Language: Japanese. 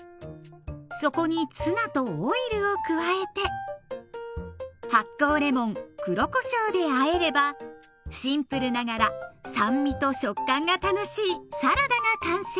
そこにツナとオイルを加えて発酵レモン黒こしょうであえればシンプルながら酸味と食感が楽しいサラダが完成。